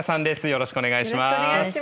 よろしくお願いします。